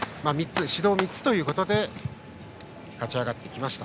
指導が３つということで勝ち上がってきました。